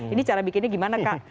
ini cara bikinnya gimana kang